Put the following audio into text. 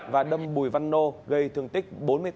và đâm bùi văn nô gây thương tích bốn mươi tám